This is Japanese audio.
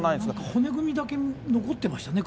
骨組みだけ残ってましたね。